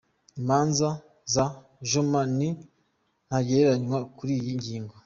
Inama za Joma ni ntagereranywa kuriyi ngingo.